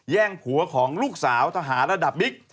ผัวของลูกสาวทหารระดับบิ๊ก